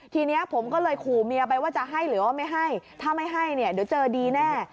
ทีนี้ผมก็เลยขู่เมียไปว่าจะให้หรือว่าไม่ให้ถ้าไม่ให้เนี่ยเดี๋ยวเจอดีแน่